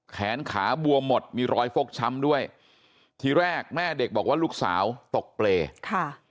แขนขาบวมหมดมีรอยฟกช้ำด้วยทีแรกแม่เด็กบอกว่าลูกสาวตกเปรย์ค่ะ